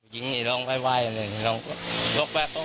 ยิงลองไวเลยลองหลบแว